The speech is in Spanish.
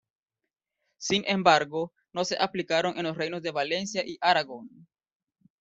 Sin embargo, no se aplicaron en los reinos de Valencia y Aragón.